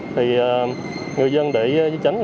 thì người dân để tránh